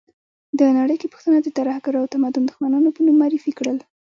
ده نړۍ کې پښتانه د ترهګرو او تمدن دښمنانو په نوم معرفي کړل.